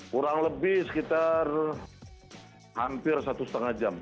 kurang lebih sekitar hampir satu setengah jam